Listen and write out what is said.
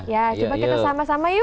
ya coba kita sama sama yuk